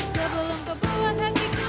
sebelum kau buat hatiku